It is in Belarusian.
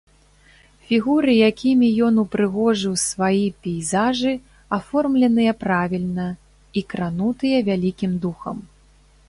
Фігуры, якімі ён упрыгожыў сваі пейзажы, аформленыя правільна, і кранутыя вялікім духам.